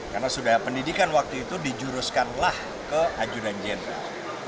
karena sudah pendidikan waktu itu dijuruskanlah ke ajudan jenderal